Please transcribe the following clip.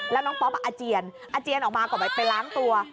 แล้วน้องป๊อปอาเจียนอาเจียนออกมาก่อนไปล้างตัว